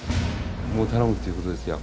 もう頼むっていうことですよ。